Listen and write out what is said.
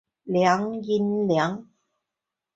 阆音两。